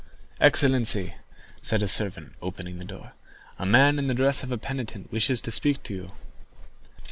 "Excellency," said a servant, opening the door, "a man in the dress of a penitent wishes to speak to you."